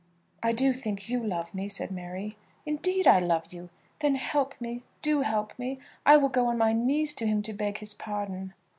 "I do think you love me," said Mary. "Indeed I love you." "Then help me; do help me. I will go on my knees to him to beg his pardon."